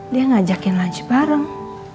dia ngajakin lunch bareng